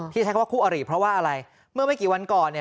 ใช้คำว่าคู่อริเพราะว่าอะไรเมื่อไม่กี่วันก่อนเนี่ย